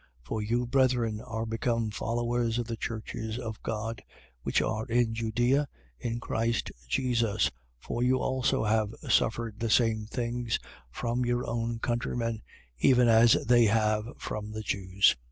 2:14. For you, brethren, are become followers of the churches of God which are in Judea, in Christ Jesus: for you also have suffered the same things from your own countrymen, even as they have from the Jews: 2:15.